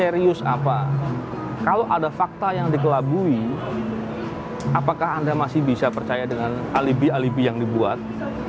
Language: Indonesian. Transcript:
serius apa kalau ada fakta yang dikelabui apakah anda masih bisa percaya dengan alibi alibi yang dibuat